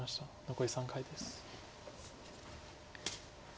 残り３回です。